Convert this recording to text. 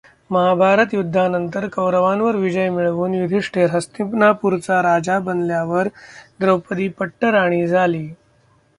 महाभारत युद्धानंतर कौरवांवर विजय मिळवून युधिष्ठिर हस्तिनापूरचा राजा बनल्यावर द्रौपदी पट्टराणी झाली.